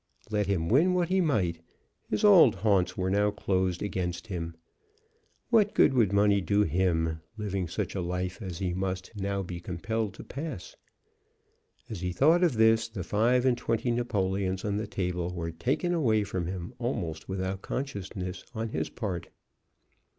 Let him win what he might, his old haunts were now closed against him. What good would money do him, living such a life as he must now be compelled to pass? As he thought of this the five and twenty napoleons on the table were taken away from him almost without consciousness on his part.